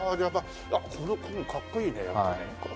やっぱこの紺かっこいいねやっぱね。